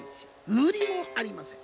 無理もありません。